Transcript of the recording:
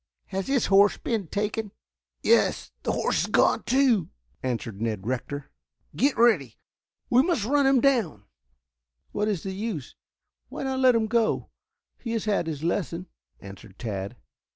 "Has his horse been taken?" "Yes, the horse is gone too," answered Ned Rector. "Get ready! We must run him down," shouted Billy. "What is the use? Why not let him go? He has had his lesson," answered Tad.